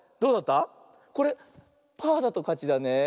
これパーだとかちだねえ。